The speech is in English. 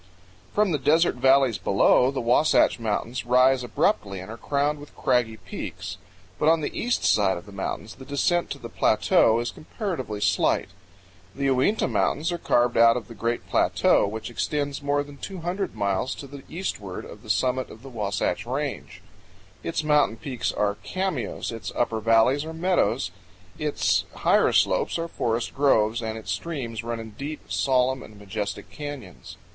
From the desert valleys below, the Wasatch Mountains rise abruptly and are crowned with craggy peaks. But on the east side of the mountains the descent to the plateau is comparatively slight. The Uinta Mountains are carved out of the great plateau which extends more than two hundred miles to the eastward of the summit of the Wasatch Range. Its mountain peaks are cameos, its upper valleys are meadows, its higher slopes are forest groves, and its streams run in deep, solemn, and majestic canyons.